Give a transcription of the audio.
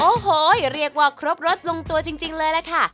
โอ้โหเรียกว่าครบรสลงตัวจริงเลยล่ะค่ะ